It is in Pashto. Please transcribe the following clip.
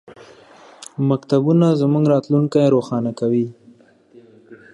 په هنر کې د وخت ضایع کول په اصل کې د ژوند جوړول دي.